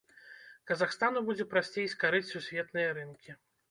Казахстану будзе прасцей скарыць сусветныя рынкі.